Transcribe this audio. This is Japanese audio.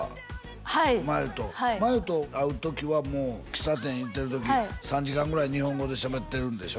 はいはい茉優と会う時はもう喫茶店行ってる時３時間ぐらい日本語でしゃべってるんでしょ？